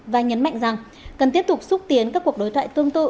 và nhấn mạnh rằng cần tiếp tục xúc tiến các cuộc đối thoại tương tự